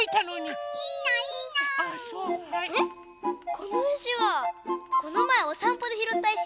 このいしはこのまえおさんぽでひろったいし？